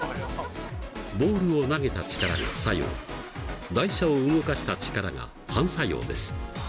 ボールを投げた力が作用台車を動かした力が反作用です。